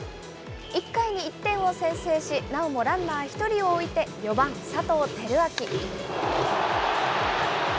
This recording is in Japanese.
１回に１点を先制し、なおもランナー１人を置いて４番佐藤輝明。